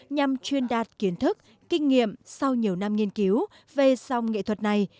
nhằm truyền đạt kiến thức kinh nghiệm sau nhiều năm nghiên cứu về dòng nghệ thuật này